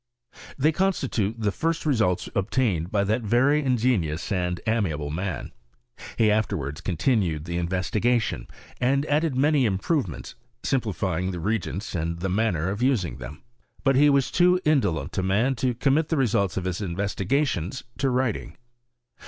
They constitute the first results obtained by that very ingenious and amiable man. He afterwards coD' tiaued the investigation, and added many improve ments, simplifying the reagents and the manner of using them. But he was too indolent a man to commit the results of his investigations to writing.